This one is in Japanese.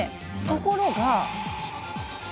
ところが。